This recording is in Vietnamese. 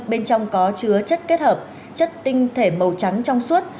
bên trong có chứa chất kết hợp chất tinh thể màu trắng trong suốt